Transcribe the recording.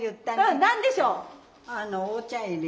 うん何でしょう？